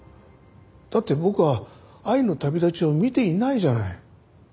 だって僕は『愛の旅だち』を見ていないじゃない。